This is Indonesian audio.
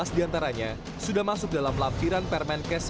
delapan belas di antaranya sudah masuk dalam lapangan penyita narkotika